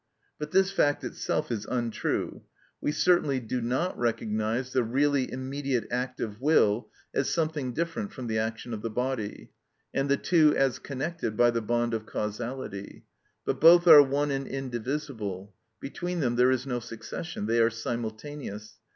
But this fact itself is untrue. We certainly do not recognise the really immediate act of will as something different from the action of the body, and the two as connected by the bond of causality; but both are one and indivisible. Between them there is no succession; they are simultaneous.